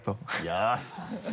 よし。